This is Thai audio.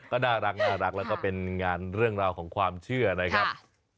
ก็น่ารักแล้วก็เป็นงานเรื่องราวของความเชื่อนะครับ